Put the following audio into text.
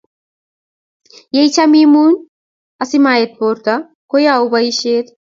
ye itam imuny asimaet borto koyau boisiet